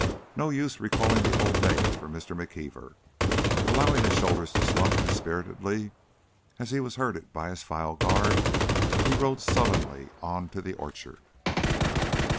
No use recalling the old days for Mr. McKeever. Allowing his shoulders to slump dispiritedly as he was herded by his file guard, he rode sullenly on to the orchard.